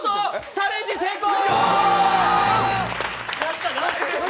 チャレンジ成功！